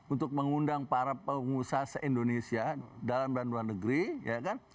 untuk mengundang para pengusaha se indonesia dalam dan luar negeri ya kan